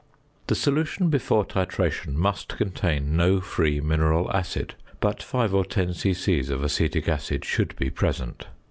The solution before titration must contain no free mineral acid, but 5 or 10 c.c. of acetic acid should be present.